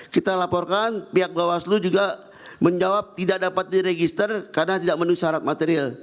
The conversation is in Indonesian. kita laporkan pihak bawaslu juga menjawab tidak dapat diregister karena tidak menusarat material